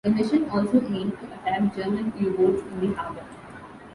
The mission also aimed to attack German U-boats in the harbour.